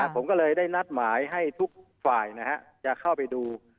ผมก็เลยได้นัดหมายให้ทุกฝ่ายจะเข้าไปดู